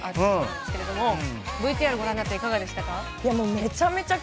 ＶＴＲご覧になっていかがでしたか？